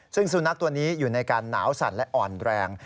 ซึ่งสุนัขตัวนี้อยู่ในการหนาวสั่นและอ่อนแรง